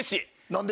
何で？